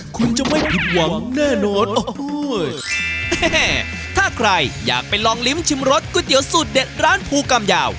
คุณจะไม่ผิดหวังแน่นอนโอ้โหแม่ถ้าใครอยากไปลองลิ้มชิมรสก๋วยเตี๋ยวสูตรเด็ดร้านภูกรรมยาว